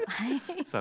さあ